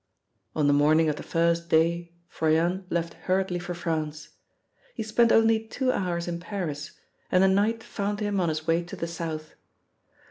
On the morning of the first day Froyant left hurriedly for France. He spent only two hours in Paris, and the night found him on his way to the south.